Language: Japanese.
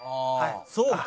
そうか。